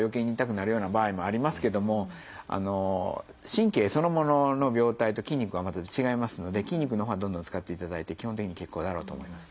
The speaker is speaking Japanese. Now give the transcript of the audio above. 神経そのものの病態と筋肉は全く違いますので筋肉のほうはどんどん使っていただいて基本的に結構だろうと思います。